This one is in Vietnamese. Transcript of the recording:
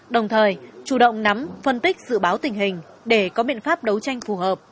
đồng thời chủ động nắm phân tích dự báo tình hình để có biện pháp đấu tranh phù hợp